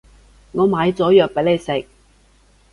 我買咗藥畀你食